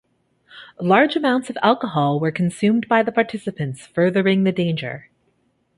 Large amounts of alcohol were consumed by the participants furthering the danger.